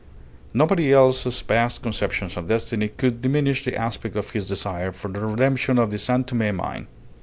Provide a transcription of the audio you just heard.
Nobody else's vast conceptions of destiny could diminish the aspect of his desire for the redemption of the San Tome mine.